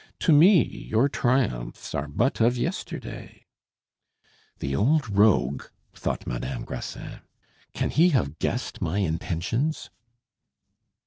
"To me, your triumphs are but of yesterday " "The old rogue!" thought Madame Grassins; "can he have guessed my intentions?"